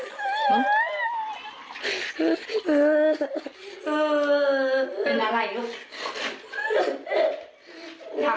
เออเป็นอะไรลูก